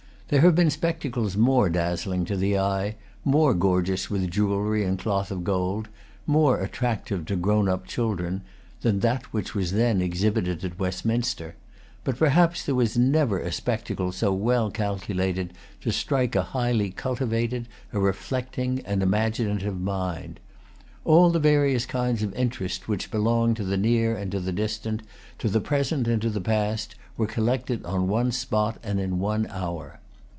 There have been spectacles more dazzling to the eye, more gorgeous with jewelry and cloth of gold, more attractive to grown up children, than that which was then exhibited at Westminster; but, perhaps, there never was a spectacle so well calculated to strike a highly cultivated, a reflecting, an imaginative mind. All the various kinds of interest which belong to the near and to the distant, to the present and to the past, were collected on one spot, and in one hour.